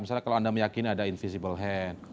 misalnya kalau anda meyakini ada invisible hand